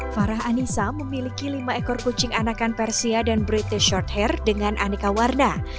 farah anissa memiliki lima ekor kucing anakan persia dan british shorthair dengan aneka warna